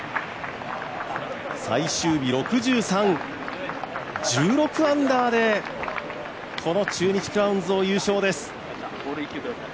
最終日６３、１６アンダーで中日クラウンズ優勝です。